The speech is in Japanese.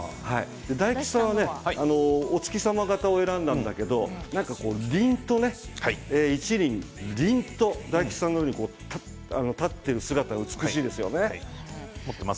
大吉さんはね。お月様形を選んだんだけど何かりんと、一輪りんと立っている姿は大吉さんのように立っている姿が美しいですね。